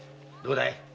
どうだい？